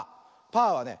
パーはね